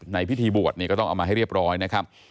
ในพิธีบวชเนี่ยก็ต้องเอามาให้เรียบร้อยนะครับ